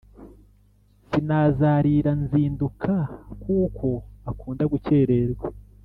Sinazarira nzinduka kuko akunda gukererwa